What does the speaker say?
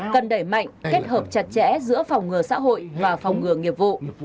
cần đẩy mạnh kết hợp chặt chẽ giữa phòng ngừa xã hội và phòng ngừa nghiệp vụ